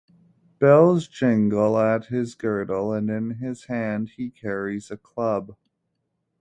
Bells jingle at his girdle, and in his hand he carries a club.